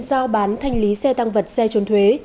giao bán thanh lý xe tăng vật xe trốn thuế